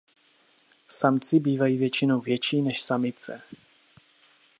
Samci bývají většinou větší než samice.